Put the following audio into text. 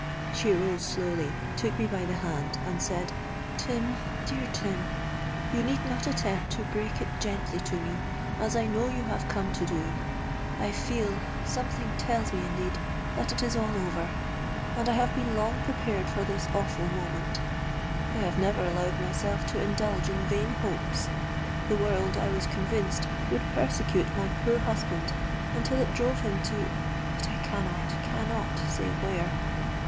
She rose slowly, took me by the hand, and said, 'Tim—dear Tim, you need not attempt to break it gently to me, as I know you have come to do. I feel—something tells me, indeed—that it is all over: and I have been long prepared for this awful moment! I have never allowed myself to indulge in vain hopes. The world, I was convinced, would persecute my poor husband until it drove him to——but I cannot, cannot say where!